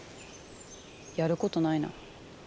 やることないな。